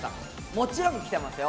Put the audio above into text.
もちろん来てますよ。